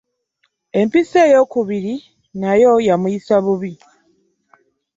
Empiso ey'okubiri n'ayo yamuyisa bubi